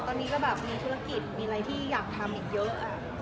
ตอนนี้ก็แบบมีธุรกิจมีอะไรที่อยากทำอีกเยอะ